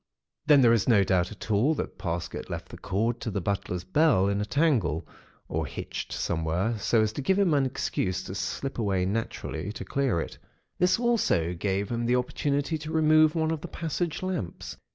"Then, there is no doubt at all but that Parsket left the cord to the butler's bell in a tangle, or hitched somewhere, so as to give him an excuse to slip away naturally to clear it. This also gave him the opportunity to remove one of the passage lamps.